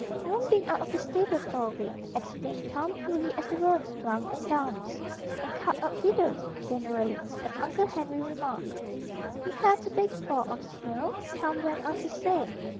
"Haven't been out of the stable for a week," explained Tom cooly as the roans plunged and danced, and "cut up didos" generally, as Uncle Henry remarked. "We had a big fall of snow," Tom went on to say.